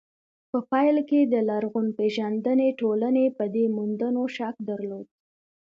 په پيل کې د لرغونپېژندنې ټولنې په دې موندنو شک درلود.